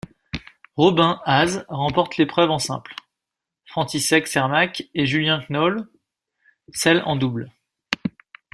Robin Haase remporte l'épreuve en simple, František Čermák et Julian Knowle celle en double.